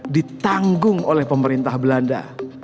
ditanggung oleh pemerintah belanda